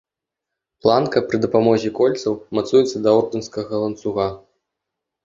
Планка пры дапамозе кольцаў мацуецца да ордэнскага ланцуга.